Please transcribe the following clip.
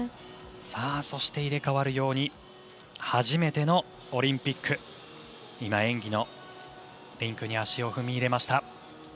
そして入れ替わるように初めてのオリンピック演技のリンクに足を踏み入れました。